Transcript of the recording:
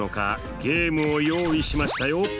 ゲームを用意しましたよ。